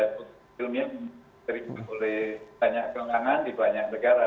ilmu yang diterima oleh banyak kalangan di banyak negara